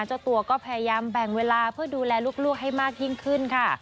เจ้าตัวก็พยายามแบ่งเวลาเพื่อดูแลลูกให้มากยิ่งขึ้นค่ะ